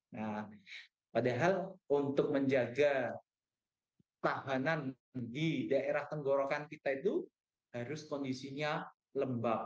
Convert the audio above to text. nah padahal untuk menjaga tahanan di daerah tenggorokan kita itu harus kondisinya lembab